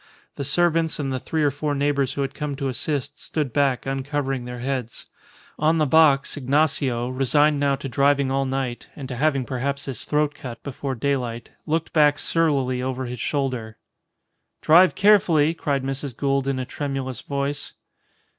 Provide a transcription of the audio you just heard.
The servants and the three or four neighbours who had come to assist, stood back, uncovering their heads. On the box, Ignacio, resigned now to driving all night (and to having perhaps his throat cut before daylight) looked back surlily over his shoulder. "Drive carefully," cried Mrs. Gould in a tremulous voice.